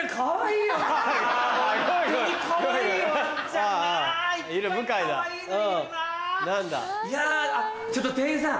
いやぁちょっと店員さん。